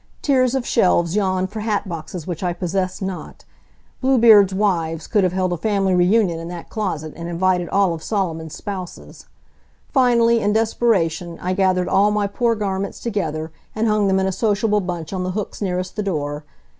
Tiers of shelves yawned for hat boxes which I possessed not. Bluebeard's wives could have held a family reunion in that closet and invited all of Solomon's spouses. Finally, in desperation, I gathered all my poor garments together and hung them in a sociable bunch on the hooks nearest the door.